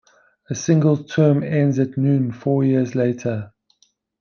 A single term ends at noon four years later.